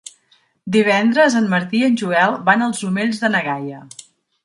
Divendres en Martí i en Joel van als Omells de na Gaia.